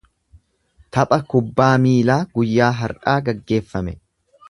Tapha kubbaa miilaa guyyaa har’aa geggeeffame.